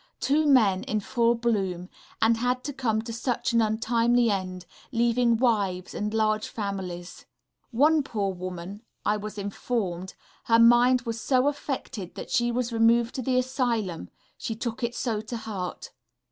Two men, in full bloom, and had to come to such an untimely end, leaving wives and large families. One poor woman, I was informed, her mind was so affected that she was removed to the asylum, she took it so to heart....